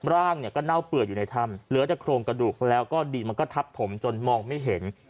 ร่างเนี่ยก็เน่าเปื่อยอยู่ในถ้ำเหลือแต่โครงกระดูกแล้วก็ดินมันก็ทับถมจนมองไม่เห็น